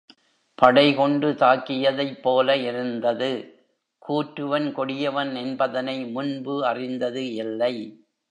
படை கொண்டு தாக்கியதைப் போல இருந்தது. கூற்றுவன் கொடியவன் என்பதனை முன்பு அறிந்தது இல்லை.